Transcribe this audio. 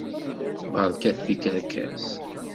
Berkat tikerkas.